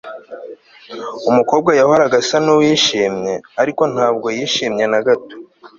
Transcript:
umukobwa yahoraga asa nuwishimye, ariko ntabwo yishimye na gato